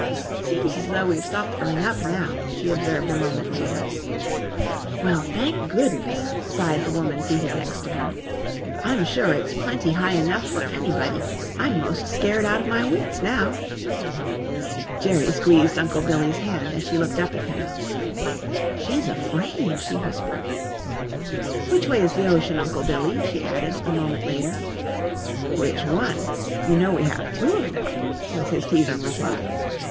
"Seems as though we've stopped going up now," she observed a moment later. "Well, thank goodness," sighed the woman seated next to her, "I'm sure it's plenty high enough for anybody. I'm most scared out of my wits now." Jerry squeezed Uncle Billy's hand as she looked up at him. "She's afraid," she whispered. "Which way is the ocean, Uncle Billy?" she added, a moment later. "Which one you know we have two of them?" was his teasing reply.